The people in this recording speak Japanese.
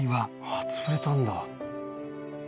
「あっ潰れたんだ」